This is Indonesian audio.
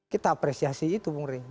kita apresiasi itu bung rey